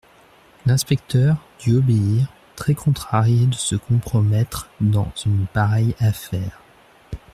L'inspecteur dut obéir, très contrarié de se compromettre dans une pareille affaire.